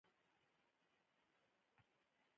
د اوبو پاکوالی د نبات ودې ته ضروري دی.